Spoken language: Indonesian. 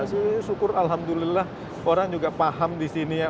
saya syukur alhamdulillah orang juga paham di sini ya